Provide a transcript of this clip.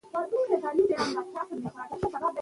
تر هغه چې باور وساتل شي، اړیکې به ماتې نه شي.